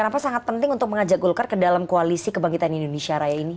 kenapa sangat penting untuk mengajak golkar ke dalam koalisi kebangkitan indonesia raya ini